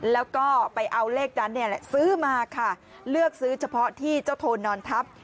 แล้วก็ไปเอาเลขนั้นเนี่ยแหละซื้อมาค่ะเลือกซื้อเฉพาะที่เจ้าโทนนอนทับ